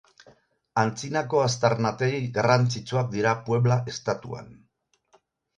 Antzinako aztarnategi garrantzitsuak dira Puebla estatuan.